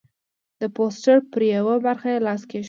د پوسټر پر یوه برخه یې لاس کېښود.